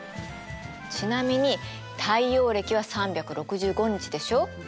ちなみに太陽暦は３６５日でしょ。